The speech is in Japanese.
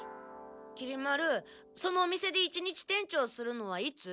きり丸そのお店で一日店長するのはいつ？